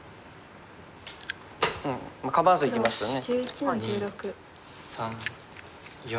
構わずいきましたね。